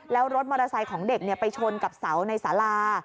แล้วรถมอเตอร์ไซค์ของเด็กไปชนกับเสาในสารา